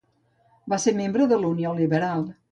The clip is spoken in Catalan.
Va ser membre de la Unió Liberal.